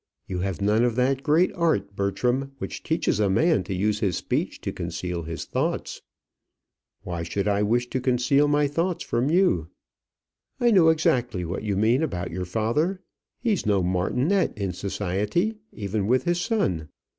You have none of that great art, Bertram, which teaches a man to use his speech to conceal his thoughts." "Why should I wish to conceal my thoughts from you?" "I know exactly what you mean about your father: he is no martinet in society, even with his son.